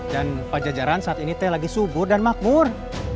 dan pajajaran saat ini teh lagi subur dan makmur